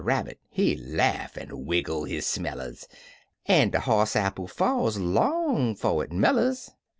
Rabbit, he laugh an' wiggle his smellers, An' " De hoss apple falls long 'fo' it mellers!